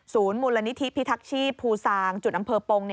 ศูนย์มูลนิธิพิทักษ์ชีพภูซางจุดอำเภอปง